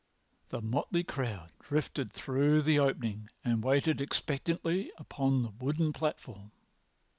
The motley crowd drifted through the opening and waited expectantly upon the wooden platform.